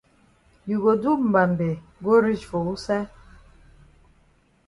You go do mbambe go reach for wusaid?